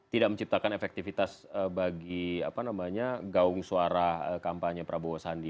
tidak menciptakan efektivitas bagi gaung suara kampanye prabowo sandi